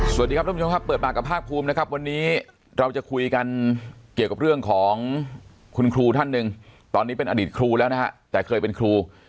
สวัสดีครับท่านผู้ชมครับเปิดปากกับภาคภูมินะครับวันนี้เราจะคุยกันเกี่ยวกับเรื่องของคุณครูท่านหนึ่งตอนนี้เป็นอดีตครูแล้วนะฮะแต่เคยเป็นครู